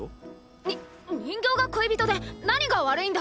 にっ人形が恋人で何が悪いんだ！